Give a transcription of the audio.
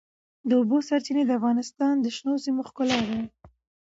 د اوبو سرچینې د افغانستان د شنو سیمو ښکلا ده.